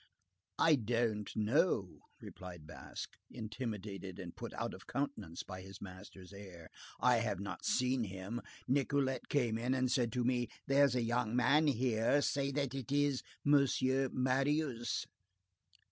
"I don't know," replied Basque, intimidated and put out of countenance by his master's air; "I have not seen him. Nicolette came in and said to me: 'There's a young man here; say that it is M. Marius.